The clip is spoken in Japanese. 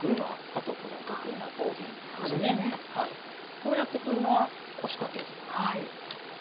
こうやって来るのは腰掛け銀。